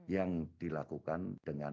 yang dilakukan dengan